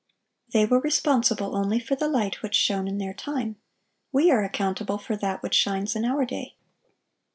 They were responsible only for the light which shone in their time; we are accountable for that which shines in our day.